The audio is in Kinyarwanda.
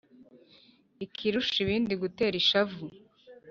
ikirusha ibindi gutera ishavu